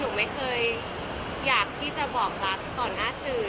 หนูไม่เคยอยากที่จะบอกรักต่อหน้าสื่อ